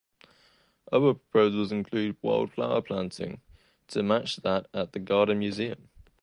Other proposals include wildflower planting to match that at the Garden Museum.